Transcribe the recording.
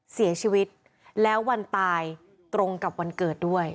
เสียชีวิตแล้ววันตายตรงกับวันเกิดด้วย